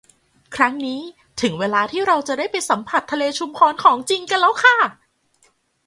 ครั้งนี้ถึงเวลาที่เราจะได้ไปสัมผัสทะเลชุมพรของจริงกันแล้วค่ะ